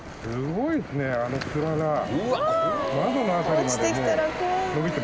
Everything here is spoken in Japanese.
すごいな！